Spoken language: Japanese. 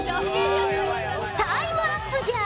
タイムアップじゃ。